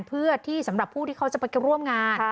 เพื่อที่สำหรับผู้ที่เขาจะไปร่วมงาน